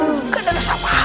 nggak ada rasa apa apa